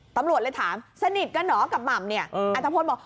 ตำรวจเลยถามสนิทกันเหรอกับหม่ำเนี่ยอัตภพลบอก